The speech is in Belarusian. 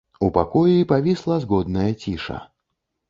У пакоі павісла згодная ціша.